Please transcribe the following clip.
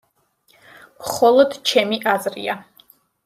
მხოლოდ ჩემი აზრია.